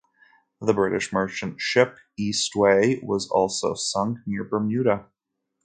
The British merchant ship "Eastway" was also sunk near Bermuda.